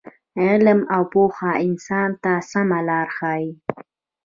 علم او پوهه انسان ته سمه لاره ښیي.